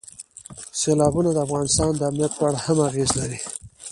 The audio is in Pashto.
سیلابونه د افغانستان د امنیت په اړه هم اغېز لري.